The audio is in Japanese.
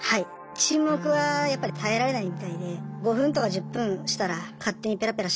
沈黙はやっぱり耐えられないみたいで５分とか１０分したら勝手にペラペラしゃべり出しますね。